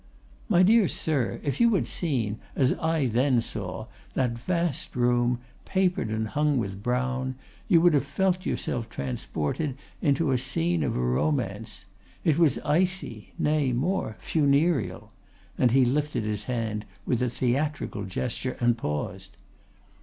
"'My dear sir, if you had seen, as I then saw, that vast room, papered and hung with brown, you would have felt yourself transported into a scene of a romance. It was icy, nay more, funereal,' and he lifted his hand with a theatrical gesture and paused.